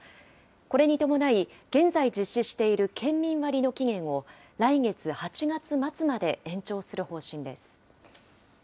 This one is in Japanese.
これに伴い、現在実施している県民割の期限を、来月・８月末まで延長する方針です。